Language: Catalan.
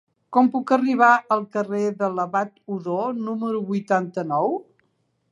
Com puc arribar al carrer de l'Abat Odó número vuitanta-nou?